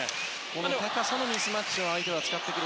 高さのミスマッチを相手は使ってくる。